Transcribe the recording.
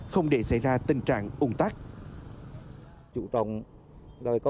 không để xảy ra tình trạng ung tắc